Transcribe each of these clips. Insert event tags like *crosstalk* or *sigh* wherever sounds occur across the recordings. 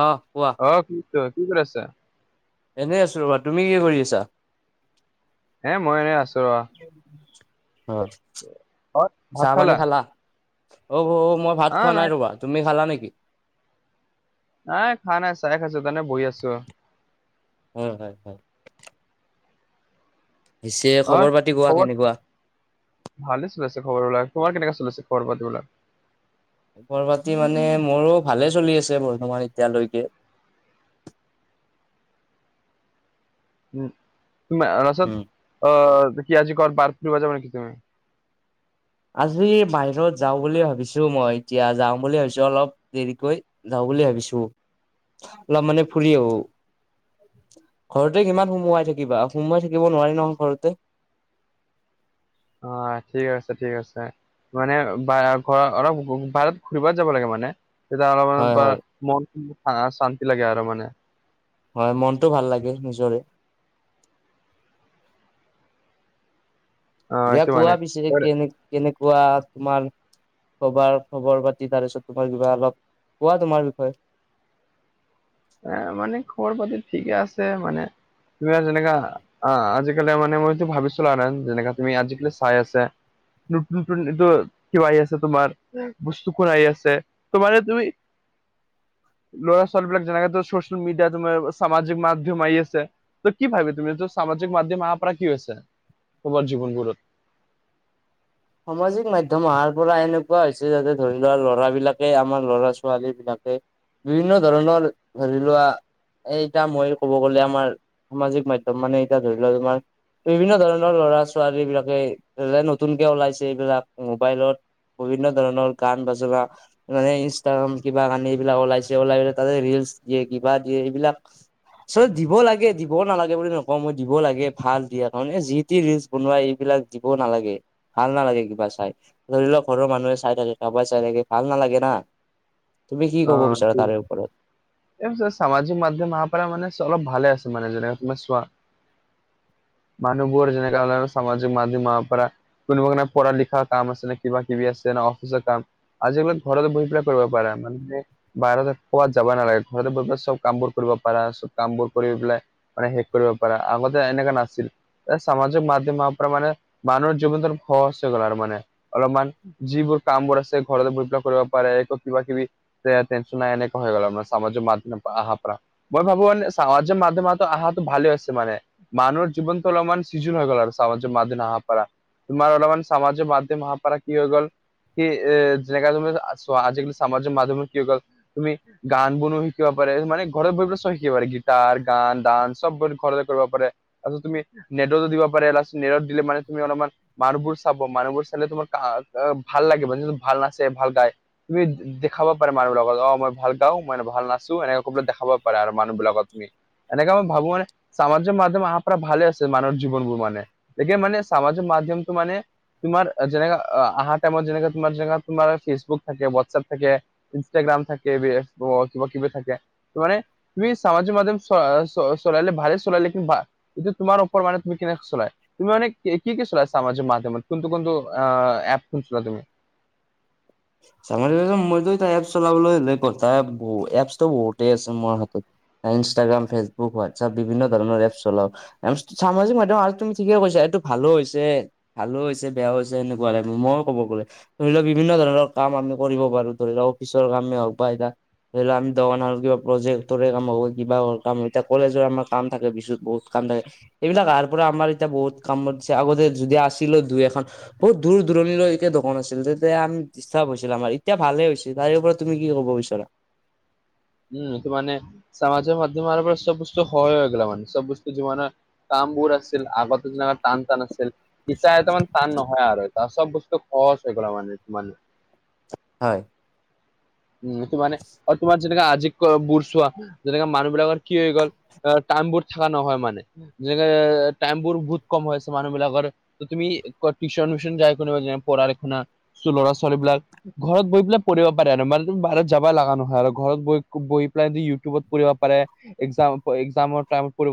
অ কোৱা? অ কি তই কি কৰি আছা? এনেই আছো ৰবা। তুমি কি কৰি আছা? এ মই এনে আছো ৰ। অ অ ভাত চাহ পানী খালা অঔ বৌ মই ভাত খোৱা নাই ৰবা। তুমি খালা নেকি? আহ খা নাই চাহে খাইছো কাৰণে বহি আছো হয় হয় হয় পিছে অ খবৰ পাতি কোৱা খবৰ কেনেকুৱা? ভালে চলি আছে খবৰ বিলাক। তোমাৰ কেনেকে চলি আছে খবৰ পাতি বিলাক? খবৰ পাতি মানে মোৰো ভালে চলি আছে বৰ্তমান এতিয়ালৈকে উ নচত অ কি আজি ক পাৰ পুৰি বজা মানে কি তুমি আজি বাহিৰত যাওঁ বুলি ভাবিছো মই এতিয়া যাওঁ বুলি ভাবিছো অলপ দেৰিকৈ যাওঁ বুলি ভাবিছো অলপ মানে ফুৰি আহো ঘৰতে কিমান সোমোৱাই থাকিবা সোমোৱাই থাকিব নোৱাৰি নহয় ঘৰতে অ ঠিক আছে ঠিক আছে মানে বি ঘ অলপ বাহিৰত ঘূৰিব যাব লাগে মানে তেতিয়া অলপমান হয়, হয়, মন শান্তি লাগে আৰু মানে হয় মনটো ভাল লাগে নিজৰে অ দিয়া সেইটো মানে। কোৱা পিছে কেনে কেনেকুৱা তোমাৰ খবৰ খবৰ পাতি তাৰ পিছত তোমাৰ কিবা অলপ কোৱা তোমাৰ বিষয়ে। এ মানে খবৰ পাতি ঠিকে আছে মানে তুমাৰ যেনেকা আহ আজিকালি মানে মইতো ভাবিছো আনন যেনেকা তুমি আজিকালি চাই আছা। নতুন নতুন এটো কিবা আহি আছে তোমাৰ বস্তু খন আহি আছে। তোমাৰে দুই ল'ৰা ছোৱালী বিলাক যেনেকে চ ছচেলমিডিয়া তোমাৰ সামাজিক মাধ্যম আহি আছে। ত কি ভাবি তুমি সামাজিক মাধ্যম আহাৰ পৰা কি আছে তোমাৰ জীৱনবোৰত। সামাজিক মাধ্যয়ম অহাৰ পৰা এনেকুৱা হৈছে যাতে ধৰি ল লৰা বিলাকে আমাৰ লৰা ছোৱালী বিলাকে বিভিন্ন ধৰণৰ ধৰি লোৱা এইটা মই কব গ'লে আমাৰ সামাজিক মাধ্যম মানে এতিয়া ধৰি লোৱা তোমাৰ বিভিন্ন ধৰণৰ ল'ৰা ছোৱালী বিলাকে নতুনকে ওলাইছে এইবিলাক মোবাইলত বিভিন্ন ধৰণৰ গান বাজনা মানে ইনষ্টাগ্ৰাম কিবা কানি এইবিলাক ওলাইছে ওলাই পেলাই তাতে ৰিলচ দিয়ে কিবা দিয়ে এইবিলাক চ দিব লাগে দিব নালাগে বুলি নকওঁ মই দিব লাগে ভাল দিয়া কাৰণে যি টি ৰিলচ বনোৱা এইবিলাক দিব নালাগে। ভাল নালাগে কিবা চাই ধৰি লওক ঘৰৰ মানুহে চাই থাকে কাৰোবাই চাই থাকে ভাল নালাগে না। তুমি কি ক'ব বিচাৰা তাৰে ওপৰত অ'। এই সামাজিক মাধ্যম অহা পৰা মানে অলপ ভালে আছে মানে যেনেকা তুমি চোৱা। মানুহবোৰ যেনেকা সামাজিক মাধ্যম অহাৰ পৰা। কোনোবা কানে পঢ়া লিখা কাম আছে ন কিবা কিবি আছে ন অফিচৰ কাম আজিৰ এইবিলাক ঘৰতে বহি পেলাই কৰিব পাৰা মানে বাহিৰত কোৱাত যাব নালাগে ঘৰতে বহি বহি চব কাম বোৰ কৰিব পাৰা চব কাম বোৰ কৰি পেলাই মানে শেষ কৰিব পাৰা আগতে এনেকা নাছিল। এ সামাজিক মাধ্যমৰ পৰা মানে মানুহৰ জীৱন যাপন। সহজ হৈ গল আৰু মানে। অলপমান যিবোৰ কাম বোৰ আছে ঘৰতে বহি পেলাই কৰিব পাৰে এইটো কিবা কিবি *unintelligible* এনেকুৱা হৈ গল মানে সামাজিক মাধ্যম আহ পৰা। মই ভাবো মানে সমাজিক মাধ্যমতো আহাটো অহাটো ভালে হৈছে মানে। মানুহৰ জীৱনটো অলপমান সিজুল হৈ গল আৰু সামাজিক মাধ্যম অহাৰ পৰা। তোমাৰ অলপমান সমামাজৰ মাধ্যম আহাপাৰা কি হৈ গ'ল কি এ যেনেকা তুমি চোৱা আজিকালি সমামাজৰ মাধ্যমে কি হৈ গ'ল তুমি গান বোনো শিকিব পাৰে মানে ঘৰত বহি পেলাই চব শিকিব পাৰে গীটাৰ গান ডান্স চব এইবোৰ ঘৰতে কৰিব পাৰে। আচ্ছা তুমি নেটতো দিব পাৰে লাষ্ট নেটত দিলে মানে তুমি অলপমান মানুহবোৰ চাব মানুহবোৰ চালে তোমাৰ ভাল লাগিব ভাল নাচে ভাল গায়। তুমি দেখাব পাৰা মানুহবিলাকক অ মই ভাল গাও মই এনে ভাল নাচো এনেক আকৌ বোলা দেখাব পাৰে মানুহবিলাকক তুমি। এনেকে মই ভাবো মানে সামাজিক মাধ্যম আহাৰ পৰা ভালে হৈছে মানুহৰ জীৱনবোৰ মানে। এতিয়া মানে সামাজিক মাধ্যমটো মানে তোমাৰ যেনেকা আহাৰ টাইমত যেনেকা তোমাৰ যেনেকা তোমাৰ ফেচবুক থাকে হোৱাটছএপ থাকে ইনষ্টাগ্ৰাম থাকে ফেচবুক কিবা কিবি থাকে। মানে তুমি সামাজিক মাধ্যম চলাইলে ভালে চলাইলে কি এইটো তোমাৰ ওপত মানে তুমি কেনেকে চলাই। তুমি মানে কি কি চলা সমাজৰ মাধ্যমত কোনটো কোনটো অ এপ চলোৱা তুমি। *unintelligible* মইতো এ এপছ চলাবলৈ হলে ক তাৰ এপছো বহুতেই আছে মোৰ হাতত। ইনষ্টাগ্ৰ ফেচবুক হোৱাটচাপ বিভিন্ন ধৰণৰ এপছ চলাও। সামাজিক মাধ্যয়ম আৰু তুমি ঠিকে কৈছা এইটো ভালো হৈছে। ভালো হৈছে বেয়াও হৈছে এনেকুৱা টাইপৰ মই ক'ব গ'লে, ধৰি লোৱা বিভিন্ন ধৰণৰ কাম আমি কৰিব পাৰো ধৰি লোৱাক অফিচৰ কামেই হওক বা এতিয়া ধৰি লওক আমি দোকান কিবা প্ৰজেক্টৰে কাম কিবা কাম এতিয়া কলেজৰ আমাৰ কাম থাকে বিছুত বহুত কাম থাকে। এইবিলাক আহাৰ পৰা আমাৰ এতিয়া বহুত কাম বাছিছে আগতে যদি আছিলো দুই এখন বহুত দূৰ দূৰণিলৈ একে দোকন আছিল তেতিয়া আমি ডিষ্টাৰ্ব হৈছিল আমাৰ এতিয়া ভালে হৈছিল তাৰে ওপৰত তুমি কি ক'ব বিচাৰা? উমটো মানে সমাজিক মাধ্যমে চব বস্তু সহজ হৈ গল মানে চব বস্তু যিমানে কামবোৰ আছিল আগতে যেনেকুৱা টান টান আছিল। ইতয়া *unintelligible* তান নহয় আৰু চব বস্তু খহচ হৈ গল মানে তান হয়। উম তোমানে তোমাৰ *unintelligible* যেনে আজি বুুৰ চোৱা যেনেকাে মানুহ বিলাকৰ কি হৈ গ'ল টাইম বোৰ চাহ নহয় মানে। যেনেকে টাইম বোৰ বহুত কম হৈ আছে মানুহ বিলাকৰ। তুমি টউশ্যন উচন যায় পঢ়াৰ শুনা ল'ৰা ছোৱালীবিলাক। ঘৰত বহি পেলাই পঢ়িব পাৰে আৰু মান বাহিৰত যাব লাগা নহয় আৰু ঘৰত বহি পেলাই যদি ইউটিউবত পঢ়িব পাৰে একাম এক্সামৰ টাইমত পৰি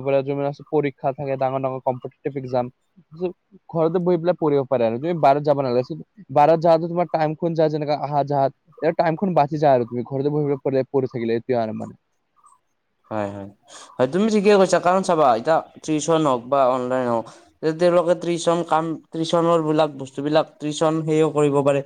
পীক্ষা থাকে ডাঙৰ ডাঙৰ কম্পিতিশেপ এক্সাম। ঘৰতে বহি পেলাই পঢ়িব পাৰে তুমি বাহিৰত যাব নালাগে। বাহিৰত যাওঁতে তোমাৰ টাইমখন যায় যেনেক আহা যাহাত সেই টাইমখন যা আৰু তুমি ঘৰতে বহি পঢ়ি থাকিলে এতিয়া আৰু মানে হয় হয় হয়, তুমি ঠিকে কৈছা, কাৰন চাবা এতিয়া টিউচন হওঁক বা অনলাইন হওঁক যে তেওঁলোকে ত্ৰিশন কাম ত্ৰিশনৰ বিলাক বস্তুবলাক ত্ৰিশন সেয়ও কৰিব পাৰে।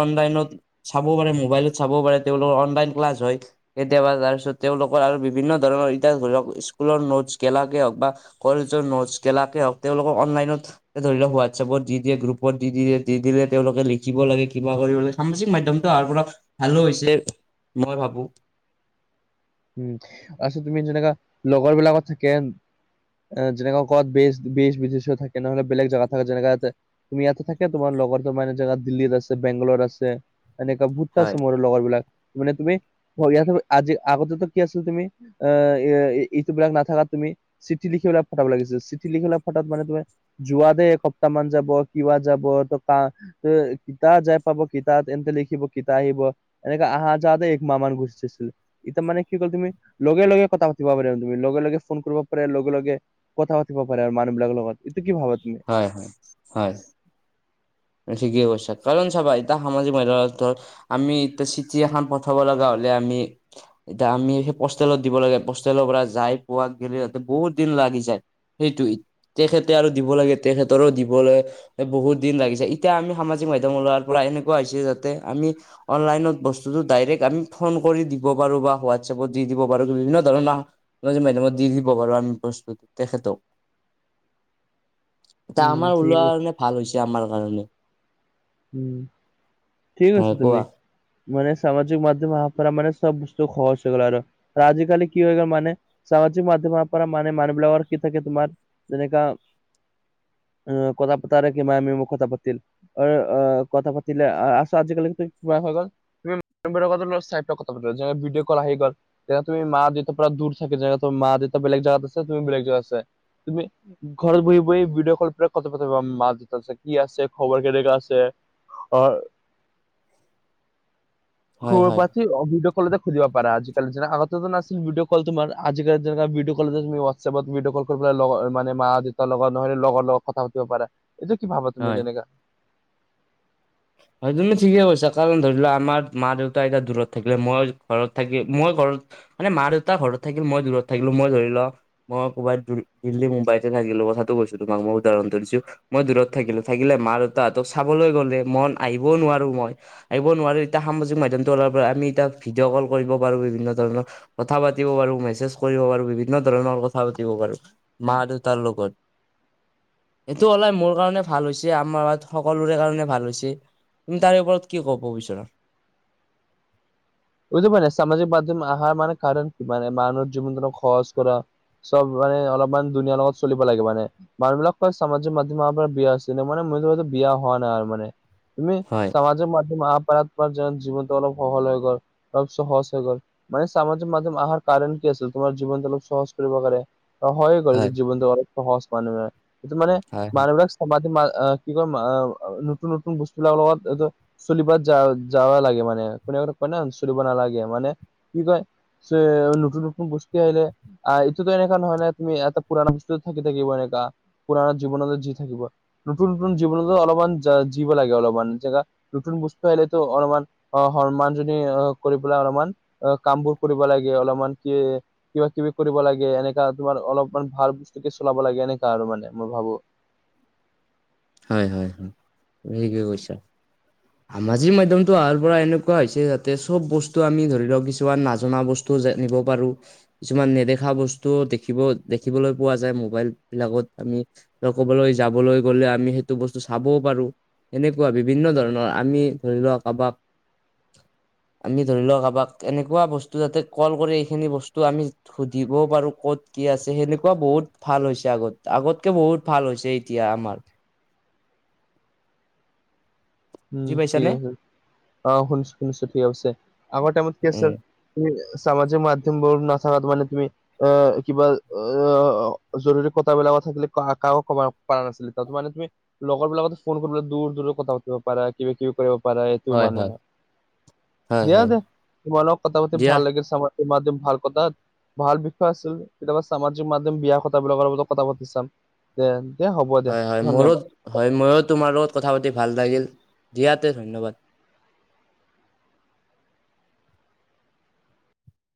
অনলাইনত চাবও পাৰে মোবাইলত চাবও পাৰে তেওঁলোকৰ অনলাইন ক্লাছ হয়। কেতিয়াবা তাৰপিছত তেওঁলোকৰ আৰু বিভিন্ন ধৰণৰ ইটা ধৰি লওঁক স্কুলৰ নটছ গেলাকে হওক বা কলেজৰ নোটছ গেলাকে হওক তেওঁলোকক অনলাইনত ধৰি লওক হোৱাটছএপত দি দিয়ে, গ্ৰুপত দি দিয়ে, দি দিলে তেওঁলোকে লিখিব লাগে কিবা কৰিব লাগে সামাজিক মাধ্যমটো আহাৰ পৰা ভালো হৈছে, মই ভাবো। উম তাৰপিছত তুমি যেনেকা লগৰ বিলাকত থাকে যেনেকুৱা ক'ৰবাত দেশ বিদেশে থাকে, নহ'লে বেলেগ জাগাত থাকে। যেনেক ইয়াতে তুমি ইয়াতে থাকে তোমাৰ লগৰ তোৰ এ জেগা দিল্লীৰ আছে বেংগালোৰত আছে এনেকুৱা বহুতো হয় আছে মোৰ লগৰ বিলাক, মানে তুমি ইয়াত আজি আগতেতো কি আছিল তুমি আহ ইটোবিলাক নাথাকাত তুমি। চিঠি লিখি পঠাব লাগিছে চিঠি লিখি ফটিট মানে তুমি যোৱাতে এসপ্তাহ মান যাব কিবা যাব ত কা কিতা যাই পাব কিতা তেহেতে লিখিব কিতা আহিব। এনেকে আহা যতে এক মা'হ মান গুচিছিল। ইতিাৰ মানে কি কল তুমি লগে লগে কথা পাতিব পাৰিবা তুমি। লগে লগে ফোন কৰিব পাৰে লগে লগে কথা পাতিব পাৰে আৰু মানুহ বিলাক লগত এইটো কি ভাবে তুমি? হয়, হয়। ঠিকেই কৈছা, কাৰণ চাবা এতিয়া সামাজিক মাধ্যমত ধৰ আমি এতিয়া চিঠি এখন পঠাব লগা হ'লে আমি এতিয়া আমি সেই পোষ্টেলত দিব লাগে। পোষ্টেলৰ পৰা যাই পোৱো গেলি তাতে বহুত দিন লাগি যায়। সেইটোৱে তেখেতে আৰু দিব লাগে, তেখেতৰো দিবলৈ বহুত দিন লাগি যায়। এতিয়া আমি সামাজিক মাধ্যম ওলোৱাৰ পৰা এনেকুৱা হৈছে যাতে আমি অনলাইনত বস্তুটো ডাইৰেক্ট আমি ফোন কৰি দিব পাৰোঁ বা হোৱাটছএপত দি দিব পাৰোঁ, বিভিন্ন ধৰণৰ সামাজিক মাধ্যমত দি দিব পাৰোঁ, আমি প্ৰস্তুত তেখেতক। *inaudible* এতিয়া আমাৰ ঠিক ওলোৱা ভাল হৈছে আমাৰ কাৰণে। উম, ঠিক কৈছা হয় তুমি। কোৱা মানে, সামাজিক মাধ্যম অহাৰ পৰা মানে চব বস্তু সহজ হৈ গ'ল, আৰু আজিকালি কি হৈ গ'ল মানে সামাজিক মাধ্যমৰ পৰা মানে মানুহ বিলাকৰ কি থাকে তোমাৰ, যেনেকা *unintelligible* আহ কথা পাতিলে, আছো আজি কালি কি কিবা হৈ গ'ল *unintelligible* ভিডি'অ কল আহি গল। যেতিয়া তুমি মা-দেতাৰ দূৰ থাকিবা, মা-দেউতা বেলেগ জেগাত আছে তুমি বেলেগ জেগাত আছে। তুমি ঘৰত বহি বহি ভিডি'অ কল পৰা কথা পাতিবা মা-দেতা কি আছে, খবৰ কেনেকা আছে? হয় হয় খবৰ-পাতি অ' ভিডি'অ কলতে খুজিব পাৰা আজিকালি যেনে আগতেতো নাছিল ভিডি'অ কল তোমাৰ। আজিকালি *unintelligible* যেনে *unintelligible* চবত ভিডি'অ কল কৰি পেলাই লগ মানে মা-দেউতা লগত নহলে লগৰৰ লগত কথা পাতিব পাৰা। এইটো কি ভাবা তুমি হয় যেনেকা? হয়, তুমি ঠিকে কৈছা। কাৰণ ধৰি লোৱা, আমাৰ মা-দেউতা এতিয়া দূৰত থাকিলে, মই ঘৰত থাকি মই ঘৰত মানে মা-দেউতা ঘৰত থাকিল মই দূৰত থাকিলোঁ, মই ধৰি ল মই ক'বাত দিল্লী, মুম্বাইতে থাকিলোঁ। কথাটো কৈছো তোমাক মই উদাহৰণটো দিছোঁ। মই দূৰত থাকিলোঁ থাকিলে মা-দেউতাহঁতক চাবলৈ গ'লে মন আহিবও নোৱাৰো মই। আহিব নোৱাৰে, এতিয়া সামাজিক মাধ্যমটো ওলোৱাৰ পৰা আমি এতিয়া ভিডিঅ' কল কৰিব পাৰোঁ। বিভিন্ন ধৰণৰ কথা পাতিব পাৰোঁ, মেছেজ কৰিব পাৰোঁ, বিভিন্ন ধৰণৰ কথা পাতিব পাৰোঁ। মা-দেউতাৰ লগত। এইটো ওলাই মোৰ কাৰণে ভাল হৈছে, আমাৰ সকলোৰে কাৰণে ভাল হৈছে। তুমি তাৰে ওপৰত কি ক'ব বিচৰা? বুজি পোৱা নে, সামাজিক মাধ্যম অহাৰ মানে কাৰণ কি? মানে, মানুহৰ জীৱনটো সহজ কৰা চব মানে অলপমান দুনিয়াৰ লগত চলিব লাগে মানে। মানুহবিলাক কয় সামাজিক মাধ্যমৰ পৰা বিয়া আছিলে মানে *unintelligible* বিয়া হোৱা নাই আৰু মানে। তুমি হয় সমাজৰ মাধ্যমৰ *unintelligible* অলপ সহল হৈ গল। অলপ সহজ হৈ গ'ল। মানে, সামাজিক মাধ্যম অহাৰ কাৰণ কি আছিল তোমাৰ জীৱনটো অলপ সহজ কৰিব পাৰে। হয়ে কৰেটো হয় জীৱনটো অলপ সহজ মানুহৈ সেইটো মানে হয় হয় মানুহবিলাক *unintelligible* নতুন নতুন বস্তুবিলাকৰ লগত এইটো চলিবাত যা যাবা লাগে মানে, কোনে কোনে কয় ন চলিব নালাগে মানে কি কয় পিছে, নতুন নতুন গোষ্ঠী আহিলে। আহ, এইটোতো এনেকা নহয় ন তুমি এটা পুৰণা বস্তু থাকি থাকিবা এনেকা পুৰণা জীৱনত জি থাকিবা। নতুন নতুন জীৱনতো অলমান জিব লাগে অলমান জেগা নতুন বস্তু আহিলেতো অলমান অ' সন্মানজনী কৰি পেলাই অলমান কামবোৰ কৰিব লাগে অলমান, কি কিবা-কিবি কৰিব লাগে, এনেকা তোমাৰ অলপমান ভাল বস্তুকে চলাব লাগে এনেকা আৰু মানে মই ভাবোঁ। হয়, হয়, হয়, তুমি ঠিকে কৈছা। *unintelligible* সামাজিক মাধ্যমটো অহাৰ পৰা এনেকুৱা হৈছে যাতে চব বস্তু আমি ধৰি লওক কিছুমান নজনা বস্তু টো জানিব পাৰোঁ কিছুমান নেদেখা বস্তু দেখিব দেখিবলৈ পোৱা যায় মোবাইল বিলাকত আমি ক'বলৈ যাবলৈ গ'লে আমি সেইটো বস্তু চাবও পাৰো সেনেকুৱা বিভিন্ন ধৰণৰ আমি ধৰি লোৱা কাৰোবাক আমি ধৰি লওক কাৰোবাক এনেকুৱা বস্তু যাতে কল কৰি এইখিনি বস্তু আমি সুধিবও পাৰো ক'ত কি আছে সেনেকুৱা বহুত ভাল হৈছে আগত আগতকে বহুত ভাল হৈছে এতিয়া আমাৰ উম বুজি ঠিক পাইছানে আছে অ শুনিছো শুনিছো ঠিক আছে আগৰ টাইমত কি আছে উম তুমি সামাজিক মাধ্যম বোৰ নাথকাত মানে তুমি এ কিবা অ জৰুৰী কথা বিলাকো থাকিলে কাকো কব পাৰা নাছিলে তাত মানে তুমি লগৰ বিলাকতে ফোন কৰিবলে দূৰ দূৰ কথা পাতি পা কিবা কিবি কৰিব পাৰা এইটো হয় মানে হয় নাই হয় দিয়া হয় দে তোমালক কথা পাতি দিয়া ভাল লাগিল চ *unintelligible* ভাল বিষয় আছিল কেতিয়াবা সামাজিক মাধ্যম বিয়া কথা বিলাকৰ লগত কথা পাতি চাম। তেন্তে হ'ব দে হয় হয় ধন্যবাদ মোৰো হয় ময়ো তোমাৰ লগত কথা পাতি ভাল লাগিল দিয়াতে ধন্যবাদ